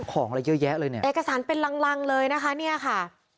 ของอะไรเยอะแยะเลยเนี่ยเอกสารเป็นลังลังเลยนะคะเนี่ยค่ะ